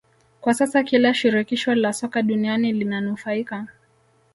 Kwa sasa kila shirikisho la soka duniani linanufaika